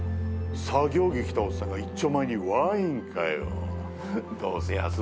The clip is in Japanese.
作業着着たおっさんがいっちょ前にワインかよ。